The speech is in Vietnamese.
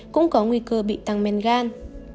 cũng có nguy cơ bị tăng men gan